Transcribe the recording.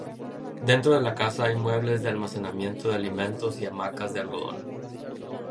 Dentro de la casa hay muebles de almacenamiento de alimentos y hamacas de algodón.